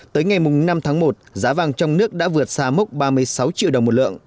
tới ngày năm tháng một giá vàng trong nước đã vượt xa mốc ba mươi sáu triệu đồng một lượng